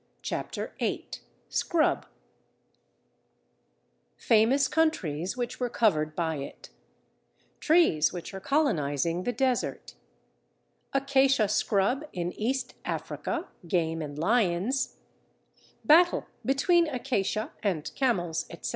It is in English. CHAPTER VIII SCRUB Famous countries which were covered by it Trees which are colonizing the desert Acacia scrub in East Africa, game and lions Battle between acacia and camels, etc.